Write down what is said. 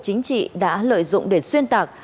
chính trị đã lợi dụng để xuyên tạc